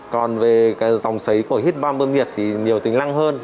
còn về dòng xấy của hip bump bơm nhiệt thì nhiều tính năng hơn